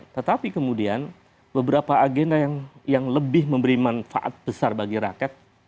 tetapi kemudian beberapa agenda yang lebih memberi manfaat besar bagi rakyat